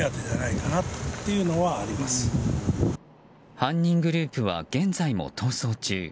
犯人グループは現在も逃走中。